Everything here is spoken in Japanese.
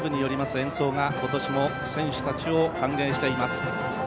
演奏が今年も選手たちを歓迎しています。